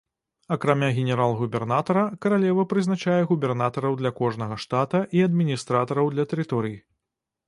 Акрамя генерал-губернатара, каралева прызначае губернатараў для кожнага штата і адміністратараў для тэрыторый.